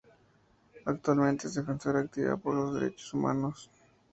Actualmente es defensora activa por los Derechos Humanos.